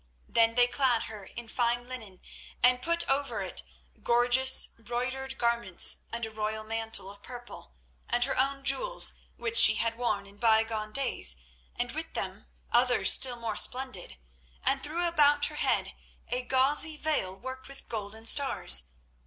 Then they clad her in fine linen, and put over it gorgeous, broidered garments, and a royal mantle of purple, and her own jewels which she had worn in bygone days, and with them others still more splendid, and threw about her head a gauzy veil worked with golden stars.